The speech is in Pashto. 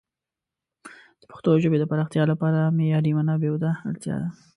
د پښتو ژبې د پراختیا لپاره معیاري منابعو ته اړتیا ده.